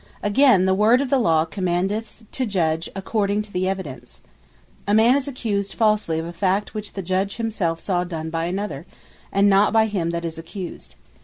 Again, the word of the Law, commandeth to Judge according to the Evidence: A man is accused falsly of a fact, which the Judge saw himself done by another; and not by him that is accused.